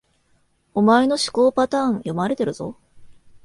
お前の思考パターン、読まれてるぞ